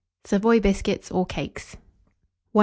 SAVOY BISCUITS OR CAKES. 1748.